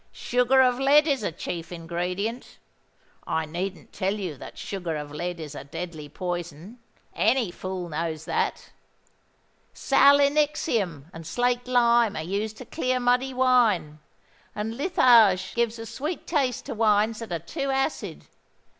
Sugar of lead is a chief ingredient! I needn't tell you that sugar of lead is a deadly poison: any fool knows that. Sal enixum and slaked lime are used to clear muddy wine; and litharge gives a sweet taste to wines that are too acid.